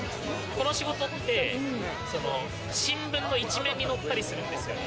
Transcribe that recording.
この仕事って新聞の一面に載ったりするんですよね。